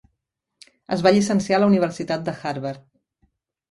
Es va llicenciar a la Universitat de Harvard.